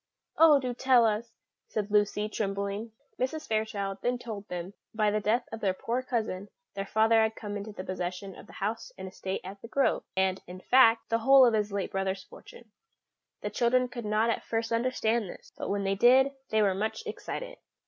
"Oh, do tell us!" said Lucy, trembling. Mrs. Fairchild then told them that, by the death of their poor cousin, their father had come into the possession of the house and estate at The Grove, and, in fact, the whole of his late brother's fortune. The children could not at first understand this, but when they did, they were much excited.